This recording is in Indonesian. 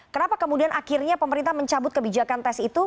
kenapa kemudian akhirnya pemerintah mencabut kebijakan tes itu